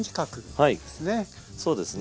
はいそうですね。